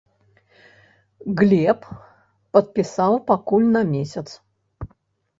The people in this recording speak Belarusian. Глеб падпісаў пакуль на месяц.